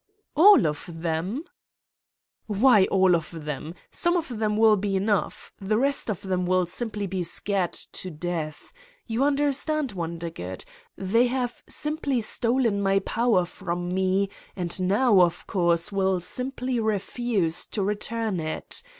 "All of them?" "Why all of them? Some of them will be enough. The rest of them will simply be scared to death. You understand, Wondergood, they have simply stolen my power from me and now, of course, will simply refuse to return it.